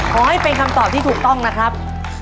ขอให้เป็นคำตอบที่ถูกต้องนะครับ